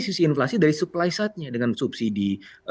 sisi inflasi dari supply side nya dengan subsidi